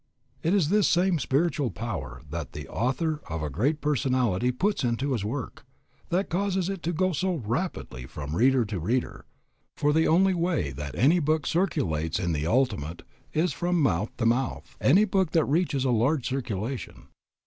It is this same spiritual power that the author of a great personality puts into his work, that causes it to go so rapidly from reader to reader; for the only way that any book circulates in the ultimate is from mouth to mouth, any book that reaches a large circulation.